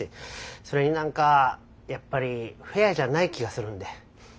それに何かやっぱりフェアじゃない気がするんで。